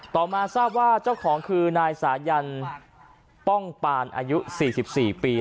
ต่อมาทราบว่าเจ้าของคือนายสายันป้องปานอายุ๔๔ปี